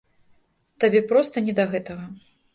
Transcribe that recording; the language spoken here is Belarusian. Табе проста не да гэтага.